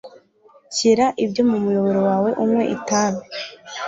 Shyira ibyo mu muyoboro wawe unywe itabi.